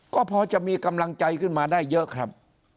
ก็พอจะมีกำลังใจขึ้นมาได้เยอะครับ